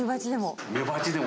メバチでも。